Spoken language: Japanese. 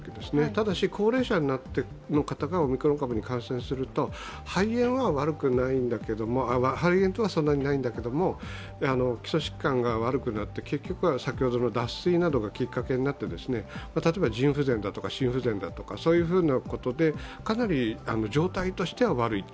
ただし、高齢者の方がオミクロン株に感染すると肺炎はそんなにないんだけど基礎疾患が悪くなって結局は先ほどの脱水などがきっかけになって例えば腎不全だとか心不全だとか、かなり状態としては悪い。